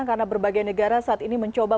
karena berbagai negara saat ini mencoba